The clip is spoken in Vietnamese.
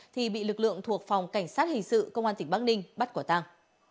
thì bị lực lượng thuộc phòng cảnh sát hình sự công an tỉnh bắc ninh bắt quả tàng